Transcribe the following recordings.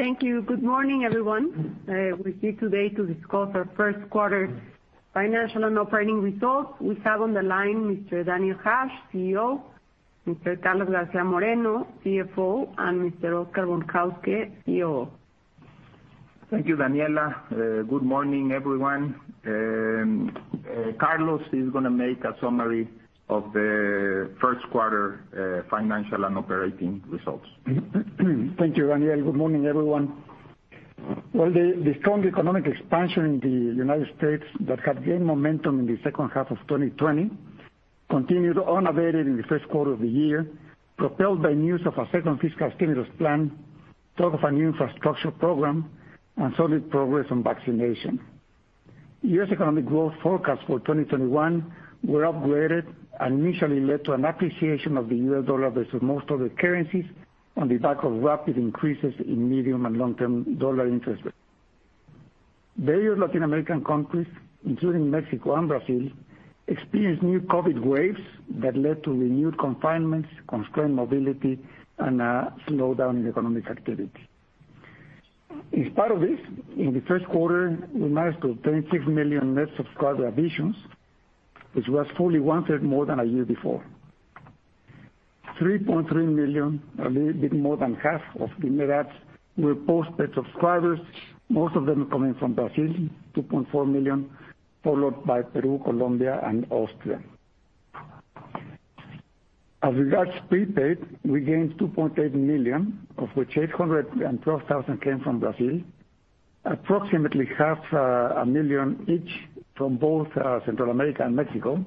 Thank you. Good morning, everyone. We're here today to discuss our first quarter financial and operating results. We have on the line Mr. Daniel Hajj, CEO, Mr. Carlos García Moreno, CFO, and Mr. Oscar Von Hauske, COO. Thank you, Daniela. Good morning, everyone. Carlos is going to make a summary of the first quarter financial and operating results. Thank you, Daniel. Good morning, everyone. Well, the strong economic expansion in the U.S. that had gained momentum in the second half of 2020 continued unabated in the first quarter of the year, propelled by news of a second fiscal stimulus plan, talk of a new infrastructure program, and solid progress on vaccination. U.S. economic growth forecasts for 2021 were upgraded and initially led to an appreciation of the U.S. dollar versus most other currencies on the back of rapid increases in medium and long-term dollar interest rates. Various Latin American countries, including Mexico and Brazil, experienced new COVID waves that led to renewed confinements, constrained mobility, and a slowdown in economic activity. In spite of this, in the first quarter, we managed to obtain six million net subscriber additions, which was 41% more than a year before. 3.3 million, a little bit more than half of the net adds, were postpaid subscribers, most of them coming from Brazil, 2.4 million, followed by Peru, Colombia, and Austria. As regards prepaid, we gained 2.8 million, of which 812,000 came from Brazil, approximately half a million each from both Central America and Mexico,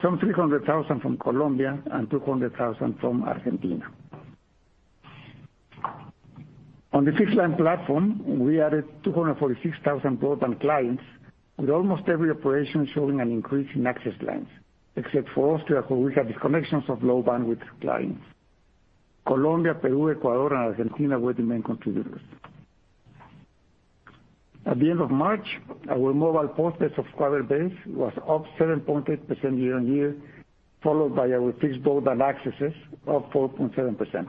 some 300,000 from Colombia, and 200,000 from Argentina. On the fixed line platform, we added 246,000 broadband clients, with almost every operation showing an increase in access lines, except for Austria, where we had disconnections of low-bandwidth clients. Colombia, Peru, Ecuador, and Argentina were the main contributors. At the end of March, our mobile postpaid subscriber base was up 7.8% year on year, followed by our fixed broadband accesses, up 4.7%.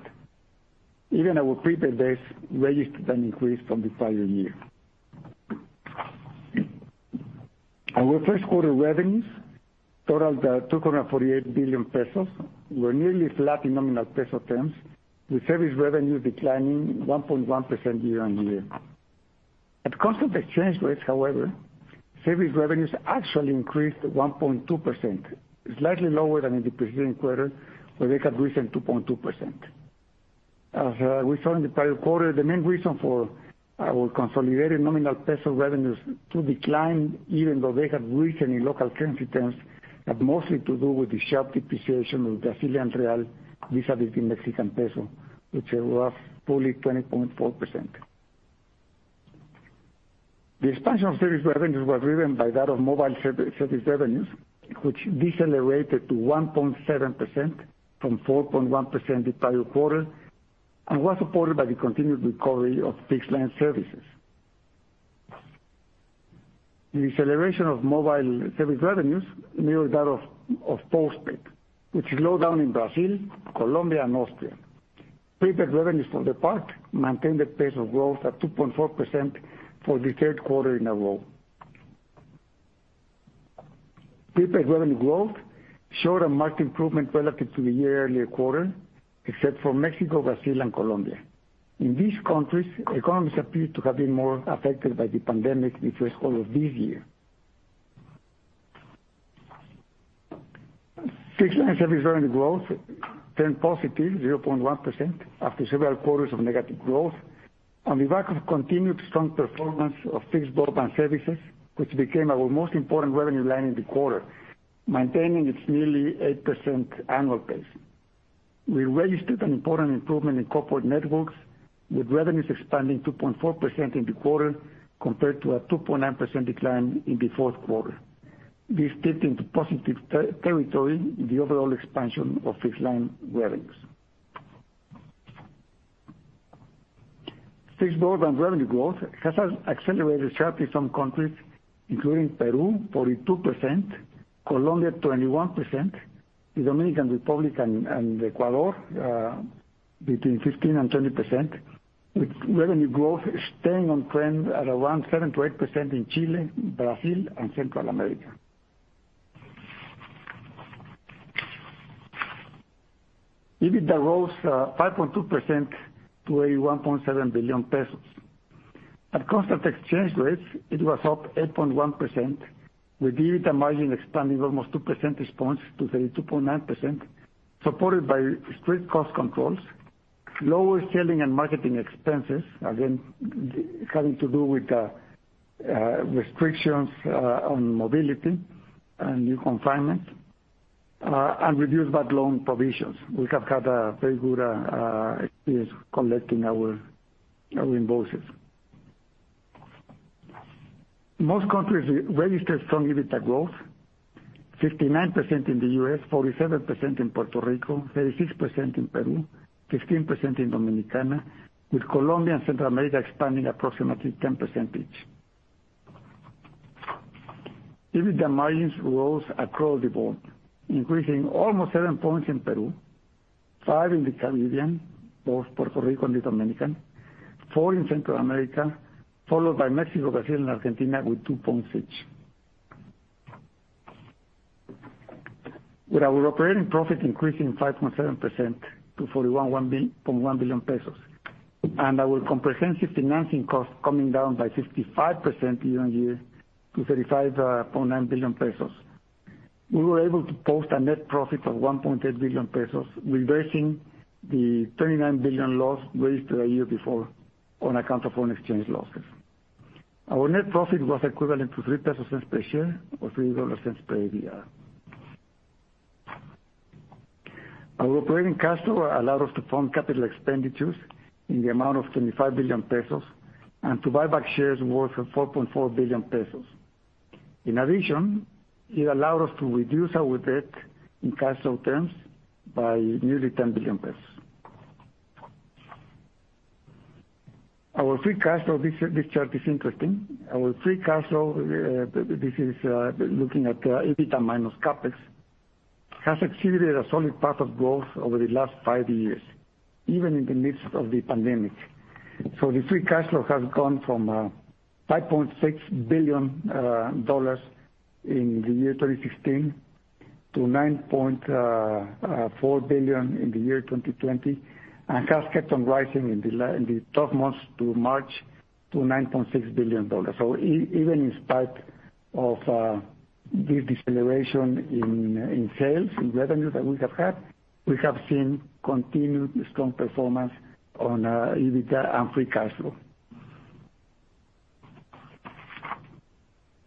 Even our prepaid base registered an increase from the prior year. Our first quarter revenues totaled 248 billion pesos, were nearly flat in nominal peso terms, with service revenue declining 1.1% year-on-year. At constant exchange rates, however, service revenues actually increased 1.2%, slightly lower than in the preceding quarter, where they had risen 2.2%. As we saw in the prior quarter, the main reason for our consolidated nominal peso revenues to decline, even though they had risen in local currency terms, had mostly to do with the sharp depreciation of the Brazilian real vis-à-vis the Mexican peso, which was fully 20.4%. The expansion of service revenues was driven by that of mobile service revenues, which decelerated to 1.7% from 4.1% the prior quarter and was supported by the continued recovery of fixed-line services. The deceleration of mobile service revenues mirrored that of postpaid, which slowed down in Brazil, Colombia, and Austria. Prepaid revenues, for their part, maintained their pace of growth at 2.4% for the third quarter in a row. Prepaid revenue growth showed a marked improvement relative to the year earlier quarter except for Mexico, Brazil, and Colombia. In these countries, economies appear to have been more affected by the pandemic in the first quarter of this year. Fixed-line service revenue growth turned positive, 0.1%, after several quarters of negative growth on the back of continued strong performance of fixed broadband services, which became our most important revenue line in the quarter, maintaining its nearly 8% annual pace. We registered an important improvement in corporate networks, with revenues expanding 2.4% in the quarter compared to a 2.9% decline in the fourth quarter. This tipped into positive territory the overall expansion of fixed line revenues. Fixed broadband revenue growth has accelerated sharply in some countries, including Peru, 42%, Colombia, 21%, the Dominican Republic and Ecuador, between 15% and 20%, with revenue growth staying on trend at around 7% to 8% in Chile, Brazil, and Central America. EBITDA rose 5.2% to 81.7 billion pesos. At constant exchange rates, it was up 8.1%, with EBITDA margin expanding almost two percentage points to 32.9%, supported by strict cost controls, lower selling and marketing expenses, again, having to do with restrictions on mobility and new confinement, and reduced bad loan provisions. We have had a very good experience collecting our invoices. Most countries registered strong EBITDA growth, 59% in the U.S., 47% in Puerto Rico, 36% in Peru, 16% in Dominicana, with Colombia and Central America expanding approximately 10% each. Even the margins rose across the board, increasing almost seven points in Peru, five in the Caribbean, both Puerto Rico and the Dominican, four in Central America, followed by Mexico, Brazil, and Argentina with two points each. With our operating profit increasing 5.7% to 41.1 billion pesos, and our comprehensive financing cost coming down by 55% year-on-year to 35.9 billion, we were able to post a net profit of 1.8 billion pesos, reversing the 39 billion loss raised a year before on account of foreign exchange losses. Our net profit was equivalent to 0.03 per share or $0.03 per ADR. Our operating cash flow allowed us to fund capital expenditures in the amount of 25 billion pesos and to buy back shares worth 4.4 billion pesos. It allowed us to reduce our debt in cash flow terms by nearly 10 billion pesos. Our free cash flow, this chart is interesting. Our free cash flow, this is looking at EBITDA minus CapEx, has exceeded a solid path of growth over the last five years, even in the midst of the pandemic. The free cash flow has gone from $5.6 billion in the year 2016 to $9.4 billion in the year 2020, and has kept on rising in the 12 months to March to $9.6 billion. Even in spite of the deceleration in sales, in revenues that we have had, we have seen continued strong performance on EBITDA and free cash flow.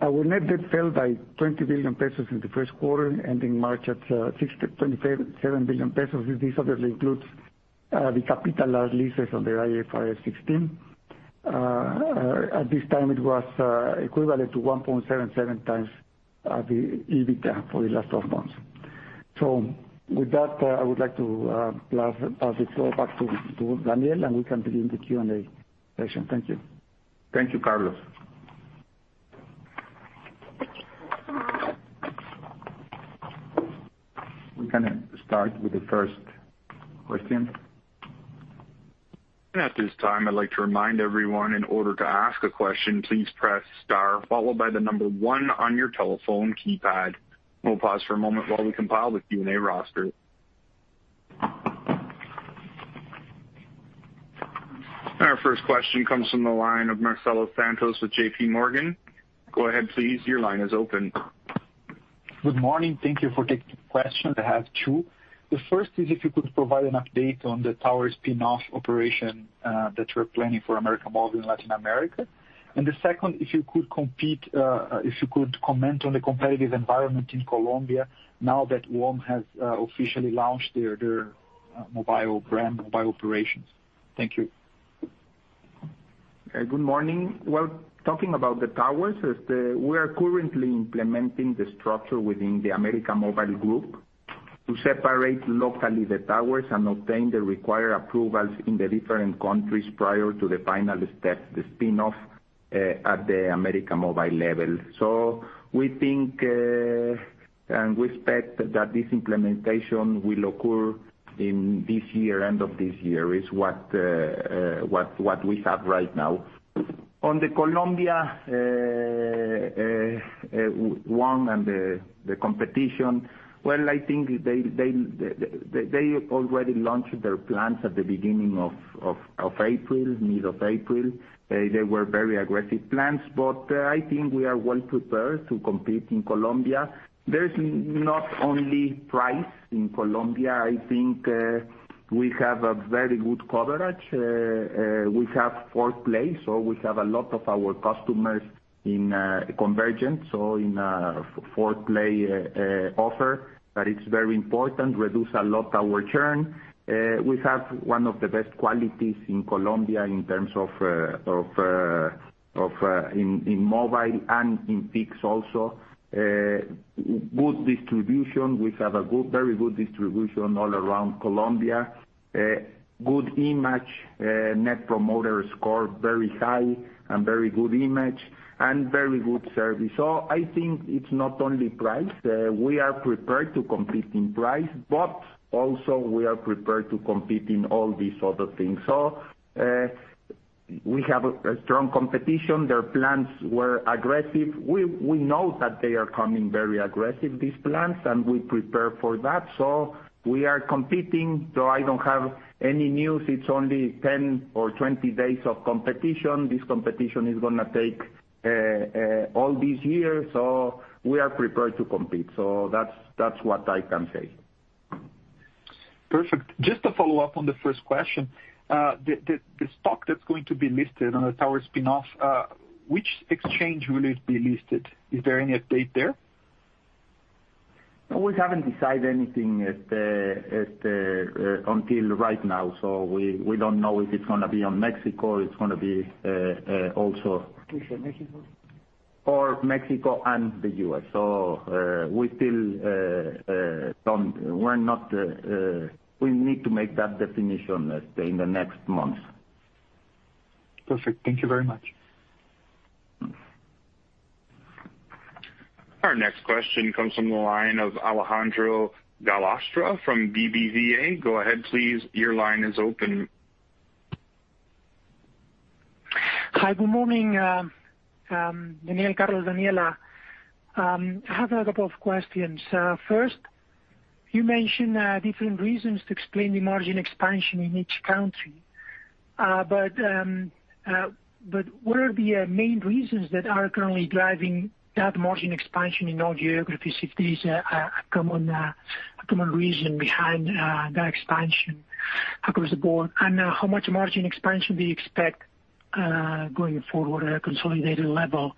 Our net debt fell by 20 billion pesos in the first quarter, ending March at 627 billion pesos. This obviously includes the capitalized leases on the IFRS 16. At this time, it was equivalent to 1.77 times the EBITDA for the last 12 months. With that, I would like to pass the floor back to Daniel, and we can begin the Q&A session. Thank you. Thank you, Carlos. We can start with the first question. At this time, I'd like to remind everyone, in order to ask a question, please press star followed by the number one on your telephone keypad. We'll pause for a moment while we compile the Q&A roster. Our first question comes from the line of Marcelo Santos with JPMorgan. Go ahead, please. Your line is open. Good morning. Thank you for taking the question. I have two. The first is if you could provide an update on the tower spin-off operation that you're planning for América Móvil in Latin America. The second, if you could comment on the competitive environment in Colombia now that WOM has officially launched their mobile brand, mobile operations. Thank you. Good morning. Well, talking about the towers, we are currently implementing the structure within the América Móvil group to separate locally the towers and obtain the required approvals in the different countries prior to the final step, the spin-off at the América Móvil level. We think and we expect that this implementation will occur in this year, end of this year, is what we have right now. On Colombia, WOM and the competition, well, I think they already launched their plans at the beginning of April, mid of April. They were very aggressive plans, but I think we are well prepared to compete in Colombia. There is not only price in Colombia. I think we have a very good coverage. We have quad-play, so we have a lot of our customers in convergence. In quad-play offer, that is very important, reduce a lot our churn. We have one of the best qualities in Colombia in terms of in mobile and in fixed also. Good distribution. We have a very good distribution all around Colombia. Good image, Net Promoter Score, very high and very good image, and very good service. I think it's not only price. We are prepared to compete in price, but also we are prepared to compete in all these other things. We have a strong competition. Their plans were aggressive. We know that they are coming very aggressive, these plans, and we prepare for that, we are competing. I don't have any news. It's only 10 or 20 days of competition. This competition is gonna take all this year, we are prepared to compete. That's what I can say. Perfect. Just to follow up on the first question. The stock that's going to be listed on the tower spin-off, which exchange will it be listed? Is there any update there? No, we haven't decided anything until right now. We don't know if it's going to be on Mexico. Mexico. Mexico and the U.S. We need to make that definition in the next months. Perfect. Thank you very much. Our next question comes from the line of Alejandro Gallostra from BBVA. Go ahead, please. Your line is open. Hi. Good morning, Daniel, Carlos, Daniela. I have a couple of questions. First, you mentioned different reasons to explain the margin expansion in each country. What are the main reasons that are currently driving that margin expansion in all geographies if there is a common reason behind that expansion across the board? How much margin expansion do you expect going forward at a consolidated level?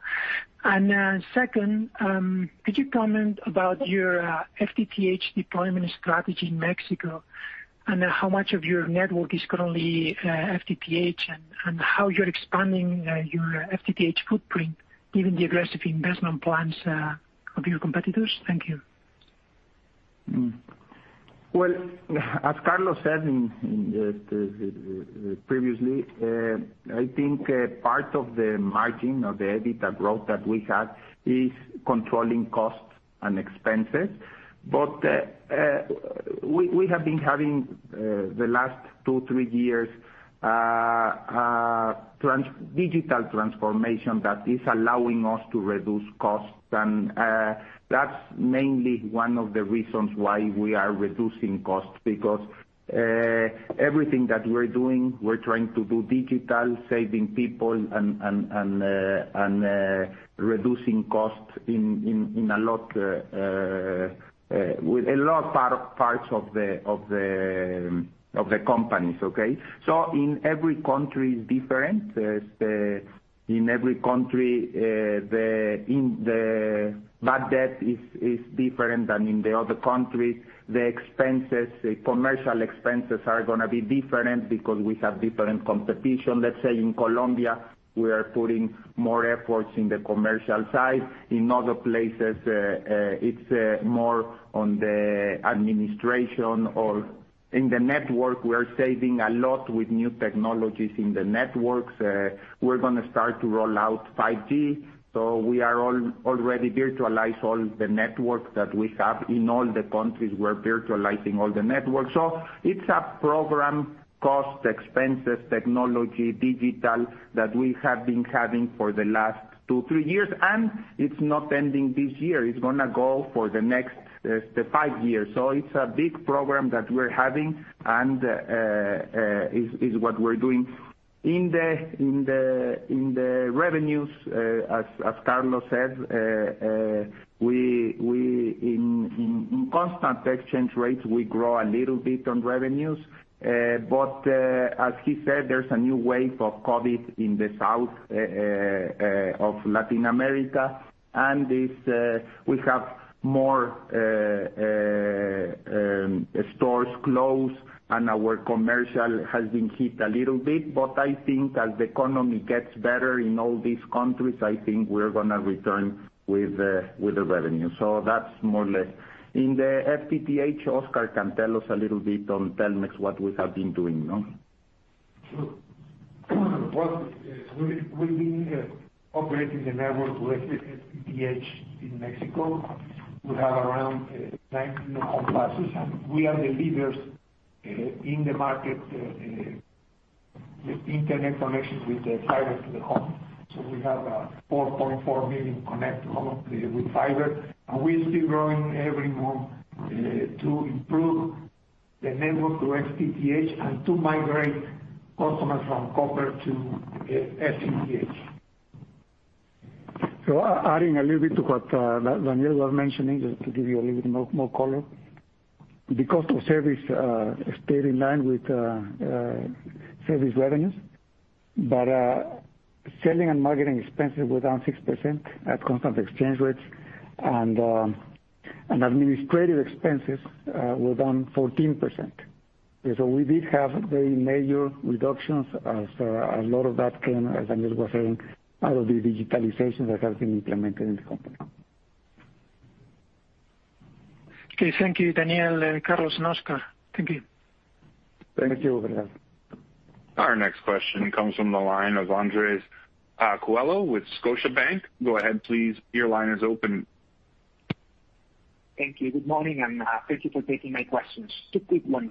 Second, could you comment about your FTTH deployment strategy in Mexico, and how much of your network is currently FTTH, and how you're expanding your FTTH footprint given the aggressive investment plans of your competitors? Thank you. Well, as Carlos said previously, I think part of the margin of the EBITDA growth that we had is controlling costs and expenses. We have been having, the last two, three years, digital transformation that is allowing us to reduce costs. That's mainly one of the reasons why we are reducing costs, because everything that we're doing, we're trying to do digital, saving people and reducing costs in a lot parts of the companies. Okay? In every country is different. In every country, the bad debt is different than in the other countries. The commercial expenses are gonna be different because we have different competition. Let's say in Colombia, we are putting more efforts in the commercial side. In other places, it's more on the administration or in the network. We are saving a lot with new technologies in the networks. We're gonna start to roll out 5G. We are already virtualize all the network that we have. In all the countries, we're virtualizing all the networks. It's a program, cost, expenses, technology, digital, that we have been having for the last two, three years, and it's not ending this year. It's gonna go for the next five years. It's a big program that we're having and is what we're doing. In the revenues, as Carlos said, in constant exchange rates, we grow a little bit on revenues. As he said, there's a new wave of COVID in the South of Latin America, and we have more stores closed, and our commercial has been hit a little bit. I think as the economy gets better in all these countries, I think we're gonna return with the revenue. That's more or less. In the FTTH, Oscar can tell us a little bit on Telmex, what we have been doing. No? Well, we've been operating the network with FTTH in Mexico. We have around 19 million passes, and we are the leaders in the market with Internet connections with the fiber to the home. We have 4.4 million connect homes with fiber, and we'll be growing every month to improve the network to FTTH and to migrate customers from copper to FTTH. Adding a little bit to what Daniel was mentioning, just to give you a little more color. The cost of service stayed in line with service revenues, selling and marketing expenses were down 6% at constant exchange rates, and administrative expenses were down 14%. We did have very major reductions as a lot of that came, as Daniel was saying, out of the digitalizations that have been implemented in the company. Okay. Thank you, Daniel, Carlos, and Oscar. Thank you. Thank you. Our next question comes from the line of Andres Coello with Scotiabank. Go ahead please. Your line is open. Thank you. Good morning, and thank you for taking my questions. two quick ones.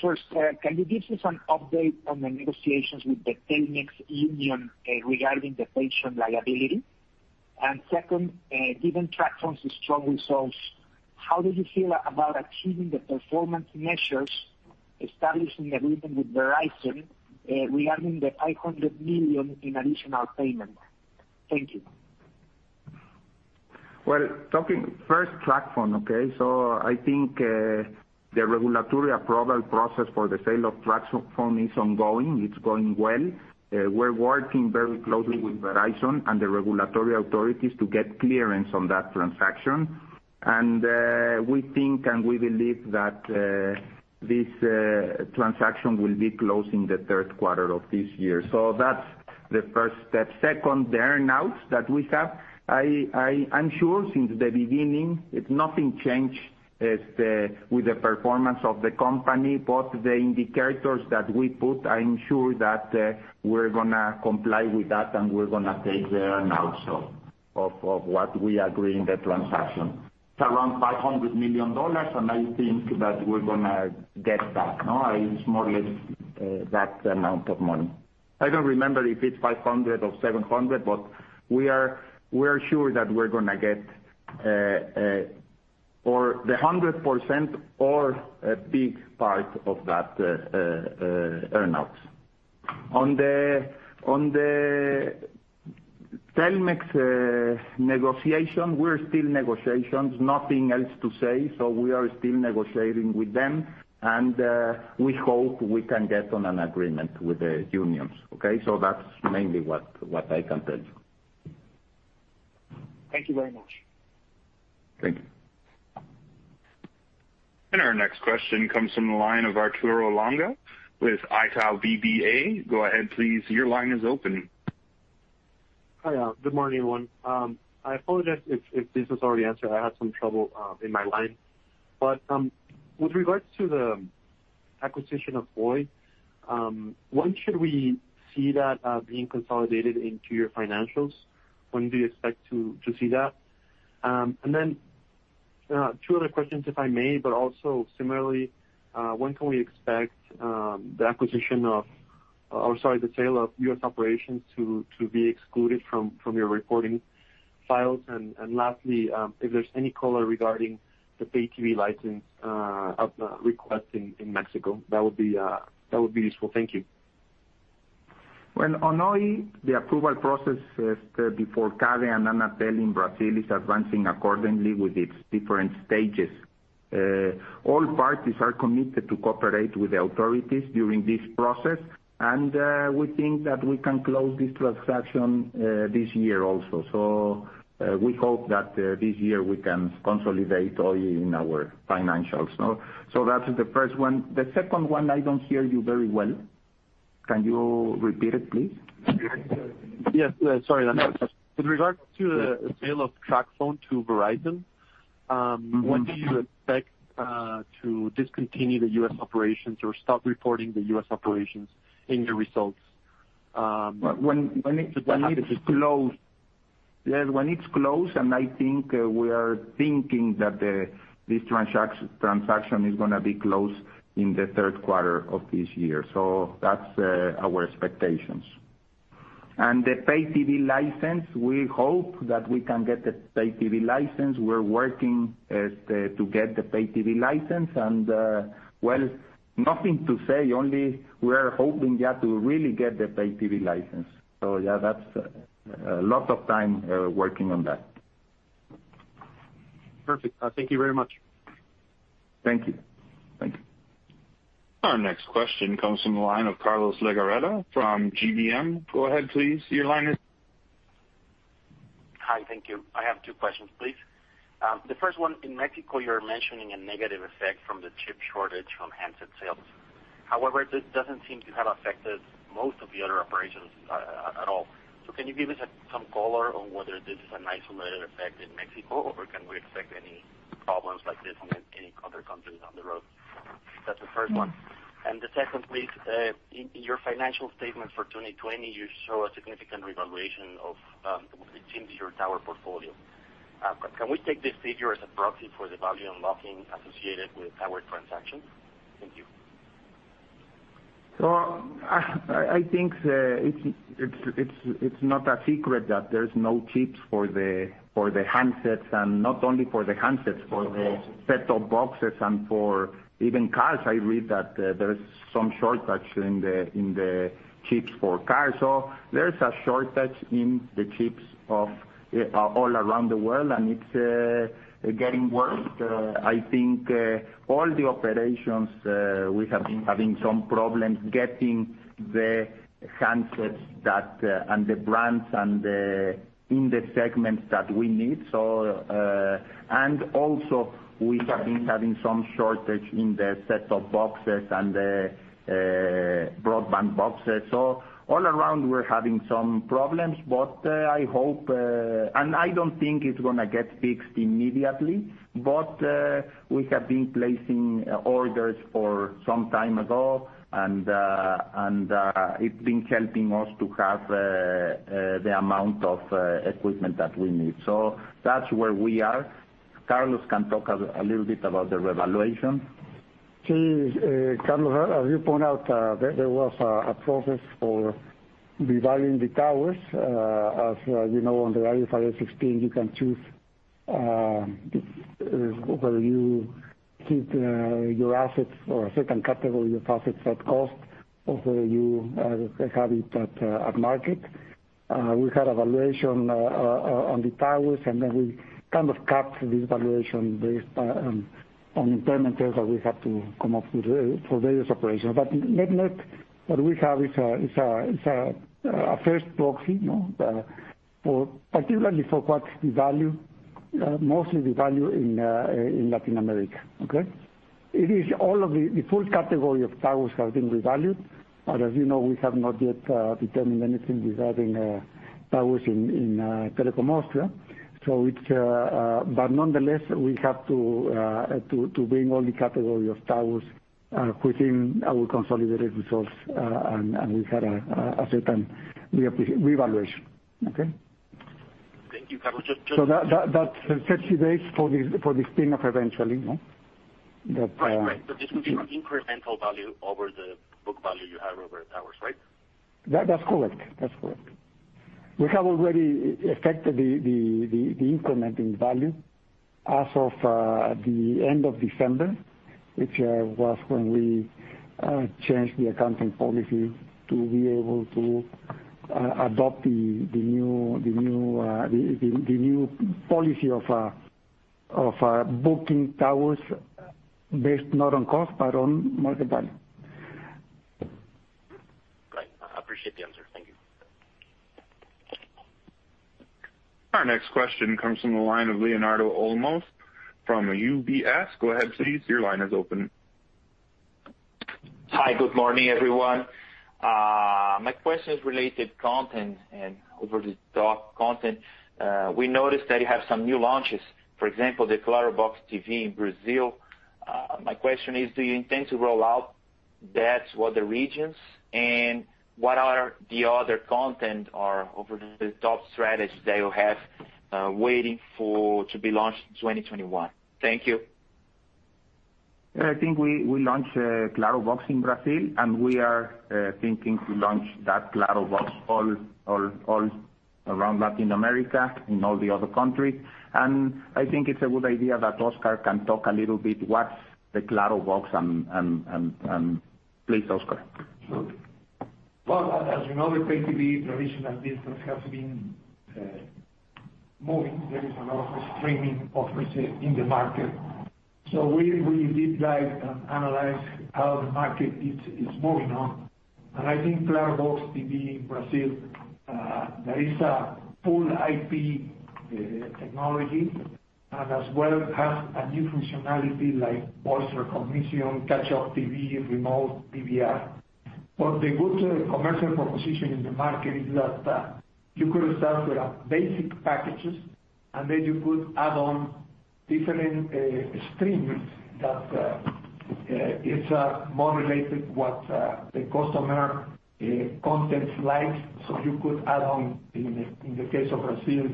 First, can you give us an update on the negotiations with the Telmex Union regarding the pension liability? Second, given TracFone's strong results, how do you feel about achieving the performance measures, establishing agreement with Verizon regarding the $500 million in additional payment? Thank you. Well, talking first TracFone. Okay. I think the regulatory approval process for the sale of TracFone is ongoing. It's going well. We're working very closely with Verizon and the regulatory authorities to get clearance on that transaction. We think, and we believe that this transaction will be closed in the third quarter of this year. That is the first step. Second, the earn-outs that we have. I'm sure since the beginning, nothing changed with the performance of the company. The indicators that we put, I'm sure that we're going to comply with that, and we're going to take the earn-outs of what we agree in the transaction. It's around $500 million, and I think that we're going to get that. It's more or less that amount of money. I don't remember if it's 500 or 700, but we're sure that we're going to get the 100% or a big part of that earn-outs. On the Telmex negotiation, we're still in negotiations, nothing else to say. We are still negotiating with them, and we hope we can get on an agreement with the unions. Okay. That's mainly what I can tell you. Thank you very much. Thank you. Our next question comes from the line of Arturo Langa with Itaú BBA. Go ahead, please. Your line is open. Hi. Good morning, everyone. I apologize if this was already answered. I had some trouble in my line. With regards to the acquisition of Oi, when should we see that being consolidated into your financials? When do you expect to see that? Then two other questions, if I may, also similarly, when can we expect the sale of U.S. operations to be excluded from your reporting files? Lastly, if there's any color regarding the pay TV license request in Mexico, that would be useful. Thank you. Well, on Oi, the approval process before CADE and Anatel in Brazil is advancing accordingly with its different stages. All parties are committed to cooperate with the authorities during this process. We think that we can close this transaction this year also. We hope that this year we can consolidate Oi in our financials. That's the first one. The second one, I don't hear you very well. Can you repeat it, please? Yes. Sorry. With regards to the sale of TracFone to Verizon, when do you expect to discontinue the U.S. operations or stop reporting the U.S. operations in your results? When it's closed, I think we are thinking that this transaction is going to be closed in the third quarter of this year. That's our expectations. The pay TV license, we hope that we can get the pay TV license. We're working to get the pay TV license, well, nothing to say, only we're hoping to really get the pay TV license. Yeah, that's a lot of time working on that. Perfect. Thank you very much. Thank you. Our next question comes from the line of Carlos de Legarreta from GBM. Go ahead, please. Your line is- Hi. Thank you. I have two questions, please. The first one, in Mexico, you're mentioning a negative effect from the chip shortage from handset sales. However, this doesn't seem to have affected most of the other operations at all. Can you give us some color on whether this is an isolated effect in Mexico, or can we expect any problems like this in any other countries down the road? That's the first one. The second, please, in your financial statement for 2020, you show a significant revaluation of the entire tower portfolio. Can we take this figure as a proxy for the value unlocking associated with tower transactions? Thank you. I think it's not a secret that there's no chips for the handsets, and not only for the handsets, for the set-top boxes and for even cars. I read that there is some shortage in the chips for cars. There is a shortage in the chips all around the world, and it's getting worse. I think all the operations, we have been having some problems getting the handsets and the brands in the segments that we need. Also we have been having some shortage in the set-top boxes and the broadband boxes. All around, we're having some problems. I don't think it's going to get fixed immediately. We have been placing orders for some time ago, and it's been helping us to have the amount of equipment that we need. That's where we are. Carlos can talk a little bit about the revaluation. Yes, Carlos, as you point out, there was a process for revaluing the towers. As you know, under IFRS 16, you can choose whether you keep your assets or a certain category of assets at cost or whether you have it at market. We had a valuation on the towers, and then we kind of capped this valuation based on impairment tests that we have to come up with for various operations. Net, what we have is a first proxy, particularly for what's the value, mostly the value in Latin America. Okay. It is all of the full category of towers have been revalued. As you know, we have not yet determined anything regarding towers in Telekom Austria. Nonetheless, we have to bring all the category of towers within our consolidated results, and we had a certain revaluation. Okay. Thank you, Carlos. That sets the base for the spin-off eventually. Right. This will be incremental value over the book value you have over towers, right? That's correct. We have already affected the increment in value as of the end of December, which was when we changed the accounting policy to be able to adopt the new policy of booking towers based not on cost, but on market value. Right. I appreciate the answer. Thank you. Our next question comes from the line of Leonardo Olmos from UBS. Go ahead, please. Your line is open. Hi. Good morning, everyone. My question is related content and over-the-top content. We noticed that you have some new launches, for example, the Claro Box TV in Brazil. My question is, do you intend to roll out that to other regions, and what are the other content or over-the-top strategies that you have waiting for to be launched in 2021? Thank you. I think we launched Claro Box in Brazil, and we are thinking to launch that Claro Box all around Latin America in all the other countries. I think it's a good idea that Oscar can talk a little bit what's the Claro Box, and please, Oscar. Well, as you know, the pay TV traditional business has been moving. There is a lot of streaming offers in the market. We did guide and analyze how the market is moving on. I think Claro Box TV in Brazil, there is a full IP technology, and as well has a new functionality like voice recognition, catch-up TV, remote PVR. The good commercial proposition in the market is that you could start with basic packages, and then you could add on different streams that is more related to what the customer contents likes. You could add on, in the case of Brazil,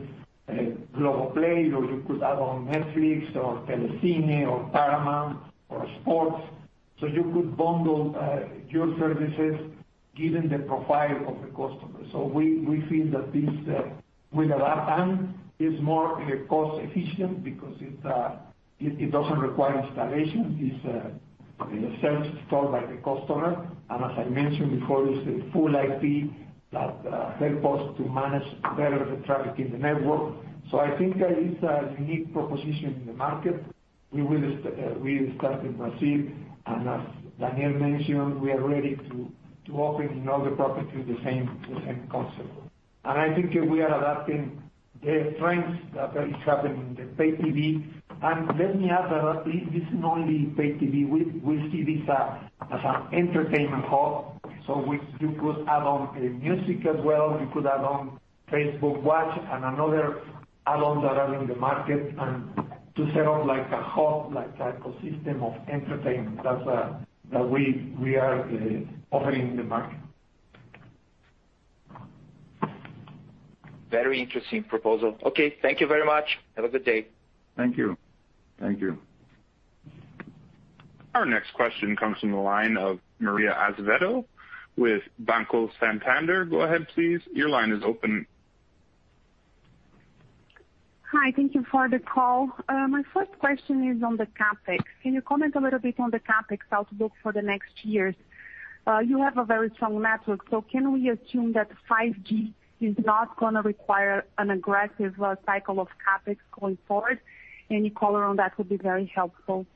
Globoplay, or you could add on Netflix or Telecine or Paramount+ or sports. You could bundle your services given the profile of the customer. We feel that this, with a lot time, is more cost-efficient because it doesn't require installation. It's a service sold by the customer. As I mentioned before, it's a full IP that help us to manage better the traffic in the network. I think that is a unique proposition in the market. We will start in Brazil, and as Daniel mentioned, we are ready to open in other properties the same concept. I think we are adapting the trends that is happening in the pay TV. Let me add that this is not only pay TV. We see this as an entertainment hub. You could add on music as well. You could add on Facebook Watch and another add-ons that are in the market, and to set up like a hub, like that ecosystem of entertainment that we are offering in the market. Very interesting proposal. Okay. Thank you very much. Have a good day. Thank you. Thank you. Our next question comes from the line of Maria Azevedo with Banco Santander. Go ahead, please. Your line is open. Hi. Thank you for the call. My first question is on the CapEx. Can you comment a little bit on the CapEx outlook for the next years? You have a very strong network. Can we assume that 5G is not going to require an aggressive cycle of CapEx going forward? Any color on that would be very helpful.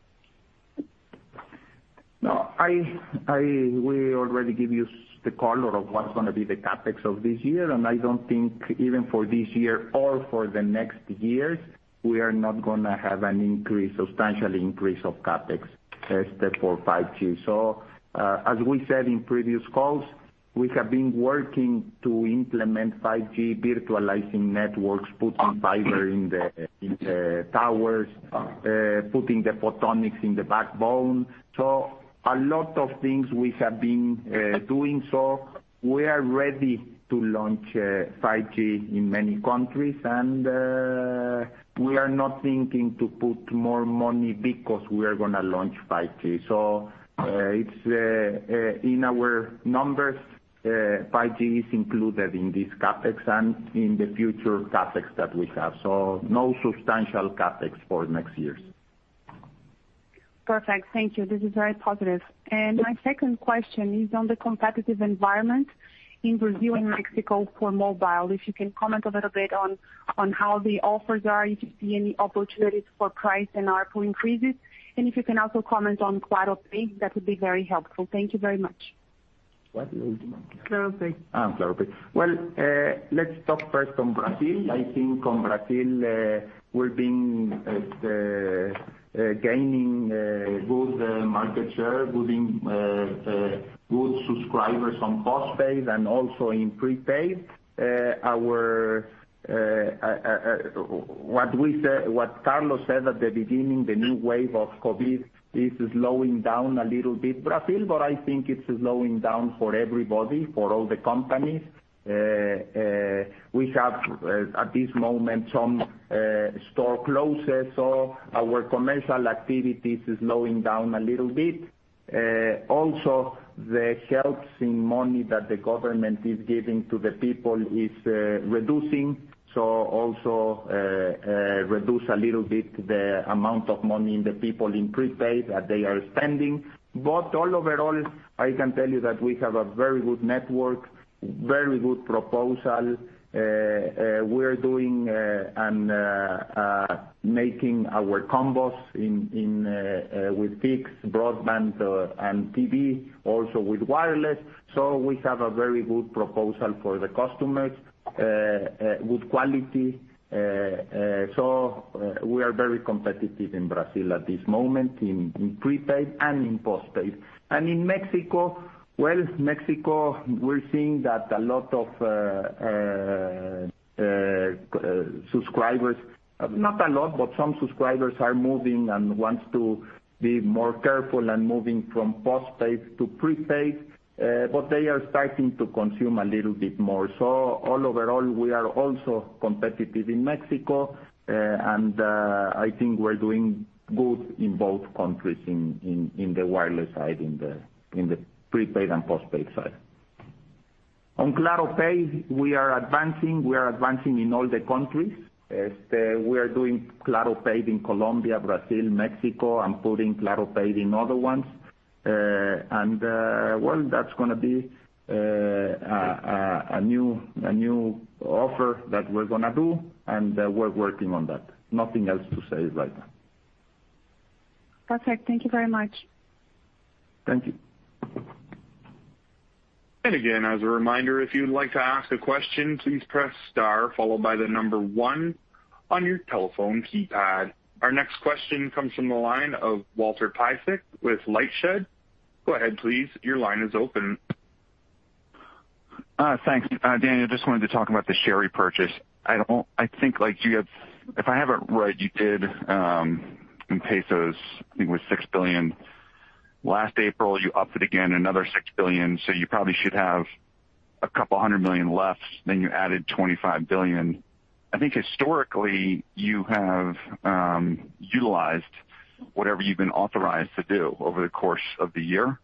We already give you the color of what's going to be the CapEx of this year, and I don't think even for this year or for the next years, we are not going to have a substantial increase of CapEx for 5G. As we said in previous calls, we have been working to implement 5G, virtualizing networks, putting fiber in the towers, putting the photonics in the backbone. A lot of things we have been doing. We are ready to launch 5G in many countries, and we are not thinking to put more money because we are going to launch 5G. In our numbers 5G is included in this CapEx and in the future CapEx that we have. No substantial CapEx for next years. Perfect. Thank you. This is very positive. My second question is on the competitive environment in Brazil and Mexico for mobile. If you can comment a little bit on how the offers are. If you see any opportunities for price and ARPU increases, and if you can also comment on Claro Pay, that would be very helpful. Thank you very much. Claro Pay. Well, Claro Pay. Let's talk first on Brazil. I think on Brazil, we're gaining good market share, good subscribers on postpaid, and also in prepaid. What Carlos said at the beginning, the new wave of COVID is slowing down a little bit Brazil, I think it's slowing down for everybody, for all the companies. We have, at this moment, some store closes, our commercial activity is slowing down a little bit. Also, the helps in money that the government is giving to the people is reducing, also reduce a little bit the amount of money in the people in prepaid that they are spending. All overall, I can tell you that we have a very good network, very good proposal. We're doing and making our combos with fixed broadband and TV, also with wireless. We have a very good proposal for the customers, good quality. We are very competitive in Brazil at this moment in prepaid and in postpaid. In Mexico, well, Mexico, we're seeing that a lot of subscribers, not a lot, but some subscribers are moving and wants to be more careful and moving from postpaid to prepaid. They are starting to consume a little bit more. All overall, we are also competitive in Mexico. I think we're doing good in both countries in the wireless side, in the prepaid and postpaid side. On Claro Pay, we are advancing. We are advancing in all the countries. We are doing Claro Pay in Colombia, Brazil, Mexico, and putting Claro Pay in other ones. Well, that's gonna be a new offer that we're gonna do, and we're working on that. Nothing else to say right now. Perfect. Thank you very much. Thank you. Again, as a reminder, if you'd like to ask a question, please press star followed by the number one on your telephone keypad. Our next question comes from the line of Walter Piecyk with LightShed. Go ahead, please. Your line is open. Thanks. Daniel, just wanted to talk about the share repurchase. If I have it right, you did in pesos, I think it was 6 billion. Last April, you upped it again another 6 billion, so you probably should have 200 million left, then you added 25 billion. I think historically, you have utilized whatever you've been authorized to do over the course of the year.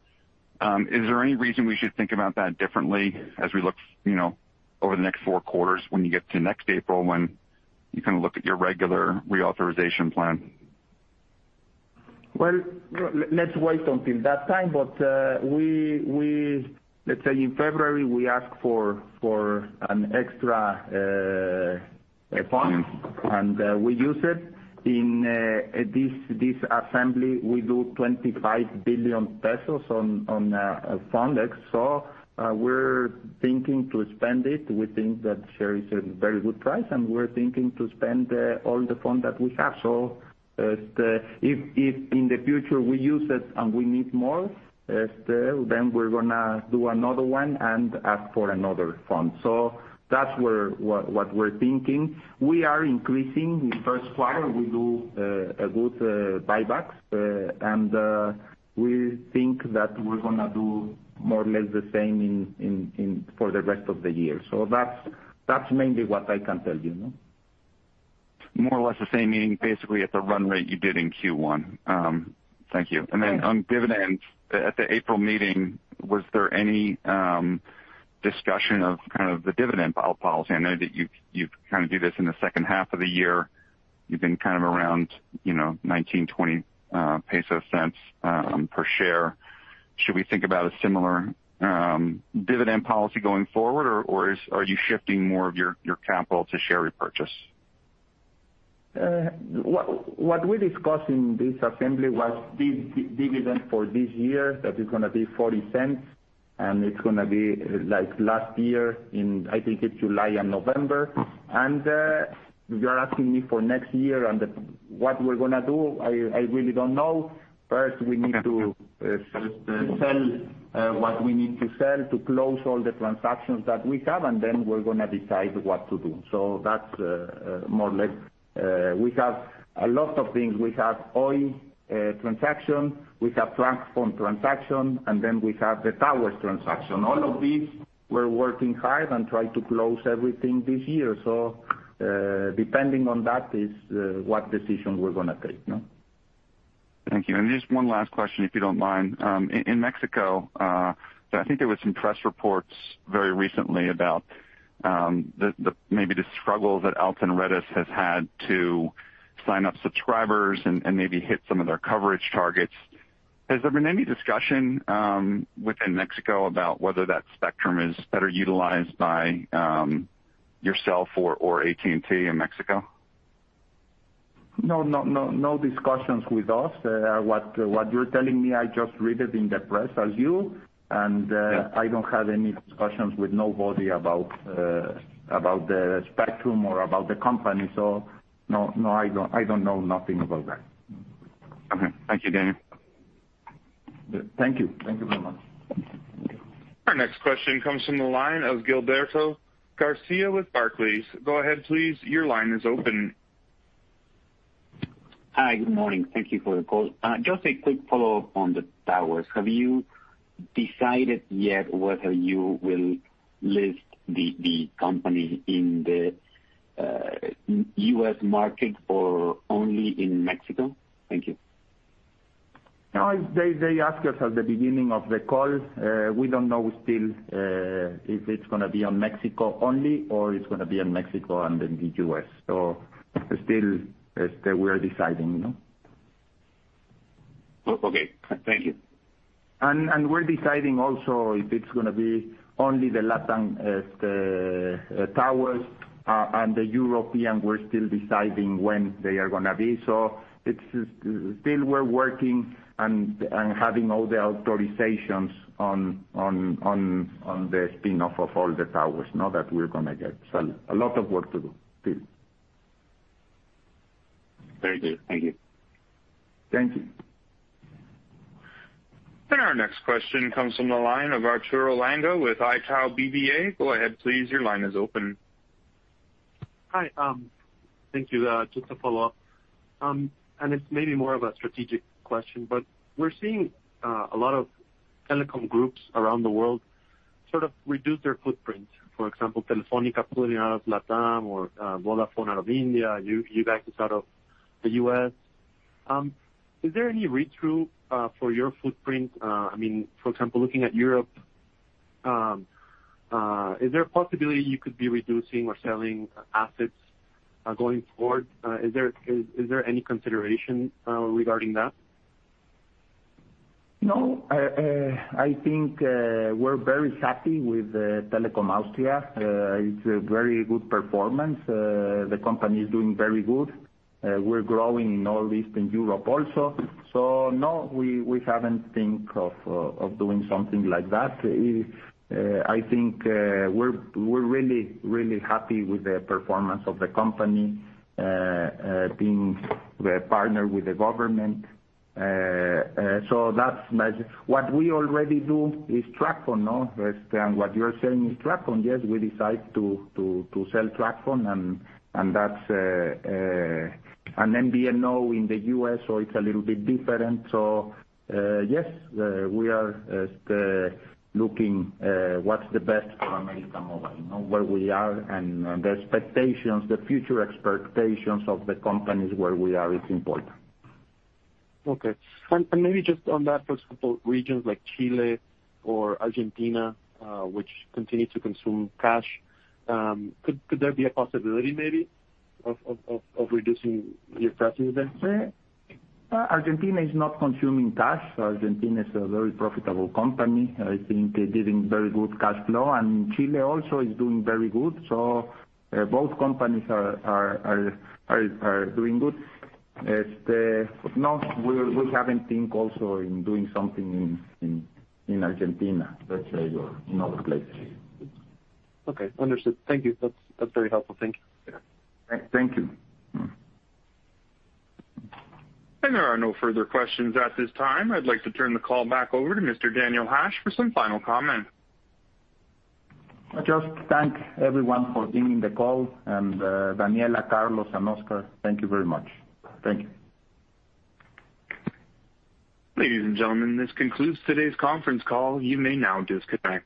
Is there any reason we should think about that differently as we look over the next four quarters when you get to next April when you look at your regular reauthorization plan? Well, let's wait until that time. Let's say in February, we ask for an extra fund, and we use it in this assembly. We do 25 billion pesos on Fundex. We're thinking to spend it. We think that share is a very good price, and we're thinking to spend all the fund that we have. If in the future we use it and we need more, then we're gonna do another one and ask for another fund. That's what we're thinking. We are increasing. In first quarter, we do a good buybacks, and we think that we're gonna do more or less the same for the rest of the year. That's mainly what I can tell you. More or less the same, meaning basically at the run rate you did in Q1. Thank you. Yeah. On dividends, at the April meeting, was there any discussion of kind of the dividend policy? I know that you kind of do this in the second half of the year. You've been kind of around 0.19, 0.20 per share. Should we think about a similar dividend policy going forward, or are you shifting more of your capital to share repurchase? What we discussed in this assembly was the dividend for this year, that is going to be 0.40, and it is going to be like last year in, I think it is July and November. You are asking me for next year and what we are going to do? I really do not know. First, we need to sell what we need to sell to close all the transactions that we have, and then we are going to decide what to do. That is more or less. We have a lot of things. We have Oi transaction, we have TracFone transaction, and then we have the towers transaction. All of these, we are working hard and try to close everything this year. Depending on that is what decision we are going to take. Thank you. Just one last question, if you don't mind. In Mexico, I think there were some press reports very recently about maybe the struggles that Altán Redes has had to sign up subscribers and maybe hit some of their coverage targets. Has there been any discussion within Mexico about whether that spectrum is better utilized by yourself or AT&T in Mexico? No discussions with us. What you're telling me, I just read it in the press as you, and I don't have any discussions with nobody about the spectrum or about the company. No, I don't know nothing about that. Okay. Thank you, Daniel. Thank you. Thank you very much. Our next question comes from the line of Gilberto Garcia with Barclays. Go ahead, please. Your line is open. Hi. Good morning. Thank you for the call. Just a quick follow-up on the towers. Have you decided yet whether you will list the company in the U.S. market or only in Mexico? Thank you. They asked us at the beginning of the call. We don't know still if it's going to be on Mexico only, or it's going to be on Mexico and in the U.S. Still we are deciding. Okay. Thank you. We're deciding also if it's going to be only the LatAm towers and the European, we're still deciding when they are going to be. It's still we're working and having all the authorizations on the spin-off of all the towers now that we're going to get. A lot of work to do still. Very good. Thank you. Thank you. Our next question comes from the line of Arturo Langa with Itaú BBA. Go ahead, please. Your line is open. Hi. Thank you. Just to follow up, and it's maybe more of a strategic question, but we're seeing a lot of telecom groups around the world sort of reduce their footprint. For example, Telefónica pulling out of LatAm or Vodafone out of India, UVX is out of the U.S. Is there any read-through for your footprint? For example, looking at Europe, is there a possibility you could be reducing or selling assets going forward? Is there any consideration regarding that? I think we're very happy with Telekom Austria. It's a very good performance. The company is doing very good. We're growing in all Eastern Europe also. No, we haven't think of doing something like that. I think we're really happy with the performance of the company, being the partner with the government. That's magic. What we already do is TracFone, no? What you're saying is TracFone. Yes, we decide to sell TracFone, and that's an MVNO in the U.S., so it's a little bit different. Yes, we are looking what's the best for América Móvil, where we are and the expectations, the future expectations of the companies where we are is important. Okay. Maybe just on that, for example, regions like Chile or Argentina, which continue to consume cash, could there be a possibility maybe of reducing your presence there? Argentina is not consuming cash. Argentina is a very profitable company. I think they're doing very good cash flow, and Chile also is doing very good. Both companies are doing good. No, we haven't think also in doing something in Argentina, let's say, or in other places. Okay, understood. Thank you. That's very helpful. Thank you. Thank you. There are no further questions at this time. I'd like to turn the call back over to Mr. Daniel Hajj for some final comments. I just thank everyone for being in the call, and Daniela, Carlos, and Oscar, thank you very much. Thank you. Ladies and gentlemen, this concludes today's conference call. You may now disconnect.